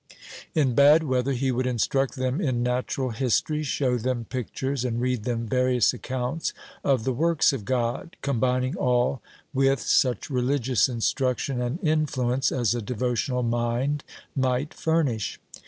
In bad weather he would instruct them in natural history, show them pictures, and read them various accounts of the works of God, combining all with such religious instruction and influence as a devotional mind might furnish.